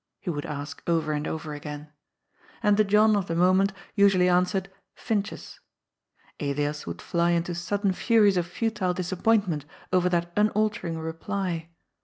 " he would ask over and over again. And the John of the moment usually answered : Finches. Elias would fly into sudden furies of futile disappointment over that unaltering reply.